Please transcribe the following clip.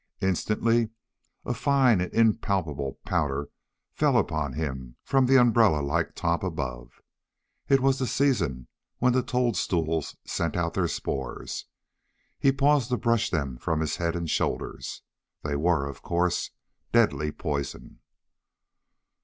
Instantly a fine and impalpable powder fell upon him from the umbrella like top above. It was the season when the toadstools sent out their spores. He paused to brush them from his head and shoulders. They were, of course, deadly poison.